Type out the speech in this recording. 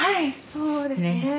そうですね」